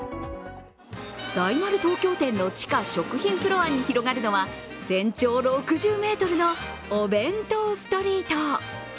大丸東京店の地下食品フロアに広がるのは全長６０ｍのお弁当ストリート。